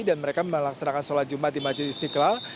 dan mereka melaksanakan sholat jumat di majelis niklal